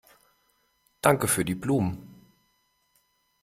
Danke für die Blumen.